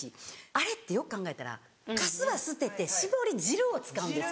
あれってよく考えたらカスは捨てて搾り汁を使うんですけど。